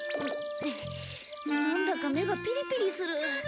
なんだか目がピリピリする。